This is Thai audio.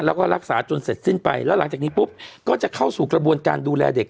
แล้วก็รักษาจนเสร็จสิ้นไปแล้วหลังจากนี้ปุ๊บก็จะเข้าสู่กระบวนการดูแลเด็ก